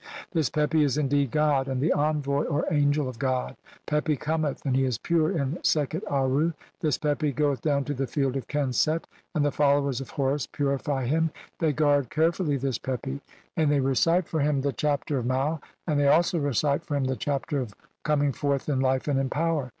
"This Pepi is indeed god and the envoy (or angel) "of god. Pepi cometh, and he is pure in Sekhet Aaru. "This Pepi goeth down to the Field of Kenset and "the followers of Horus purify him. They guard care fully this Pepi, and they recite for him the 'Chapter "of Mau', and they also recite for him the 'Chapter "of coming forth in life and in power'.